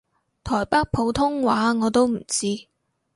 台北普通話我都唔知